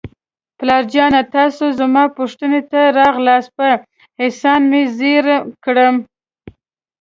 پلار جانه، تاسو زما پوښتنې ته راغلاست، په احسان مې زیر کړم.